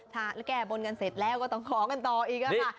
ถ้าแก้บนกันเสร็จแล้วก็ต้องขอกันต่ออีกค่ะ